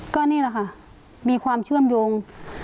ก็นี่แหละค่ะมีความเชื่อมโยง